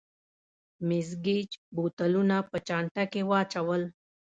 مېس ګېج بوتلونه په چانټه کې واچول.